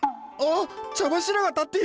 茶柱が立っている！